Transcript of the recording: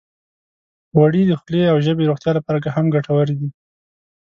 غوړې د خولې او ژبې روغتیا لپاره هم ګټورې دي.